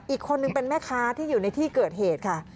อีกคนนึงเป็นแม่ค้าที่อยู่ในที่เกิดเหตุค่ะ